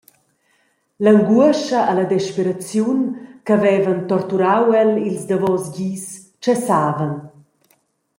L’anguoscha e la desperaziun che vevan torturau el ils davos dis tschessavan.